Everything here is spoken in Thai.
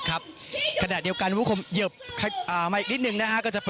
ก็จะเอาไว้ได้ยังไงนะครับ